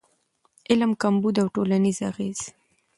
علم کمبود او ټولنیز اغېز